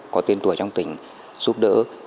có tiền tuổi trong tỉnh giúp đỡ